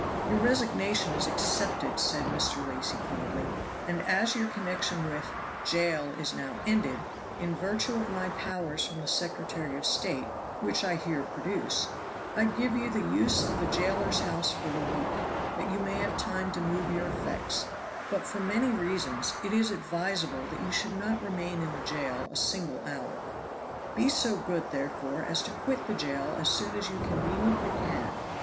"Your resignation is accepted," said Mr. Lacy coldly, "and as your connection with Jail is now ended, in virtue of my powers from the Secretary of State, which I here produce, I give you the use of the jailer's house for a week, that you may have time to move your effects; but for many reasons it is advisable that you should not remain in the jail a single hour. Be so good, therefore, as to quit the jail as soon as you conveniently can.